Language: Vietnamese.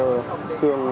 tất cả các bạn trẻ bây giờ